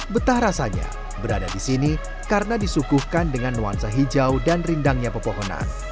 betah rasanya berada di sini karena disukuhkan dengan nuansa hijau dan rindangnya pepohonan